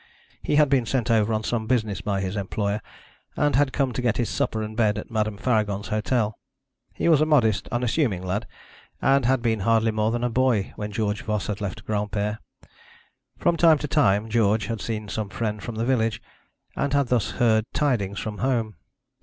He had been sent over on some business by his employer, and had come to get his supper and bed at Madame Faragon's hotel. He was a modest, unassuming lad, and had been hardly more than a boy when George Voss had left Granpere. From time to time George had seen some friend from the village, and had thus heard tidings from home.